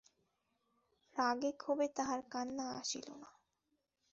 রাগে ক্ষোভে তাহার কান্না আসিল না।